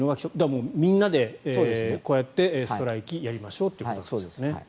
もうみんなでこうやってストライキをやりましょうということですね。